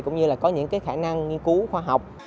cũng như là có những cái khả năng nghiên cứu khoa học